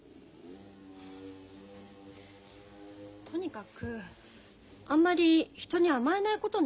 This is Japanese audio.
とにかくあんまり人に甘えないことね。